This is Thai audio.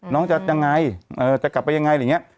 น้องจะยังไงจะกลับไปยังไง